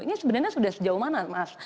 ini sebenarnya sudah sejauh mana mas